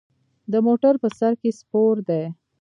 د موټر په سر کې سپور دی.